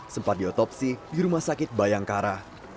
sempat diotopsi di rumah sakit bayangkara